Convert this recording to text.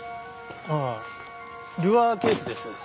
ああルアーケースです。